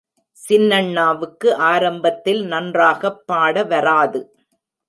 சின்னண்ணாவுக்கு ஆரம்பத்தில் நன்றாகப் பாட வராது.